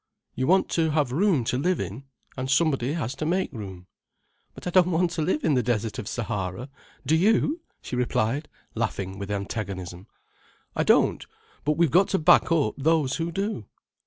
"You want to have room to live in: and somebody has to make room." "But I don't want to live in the desert of Sahara—do you?" she replied, laughing with antagonism. "I don't—but we've got to back up those who do.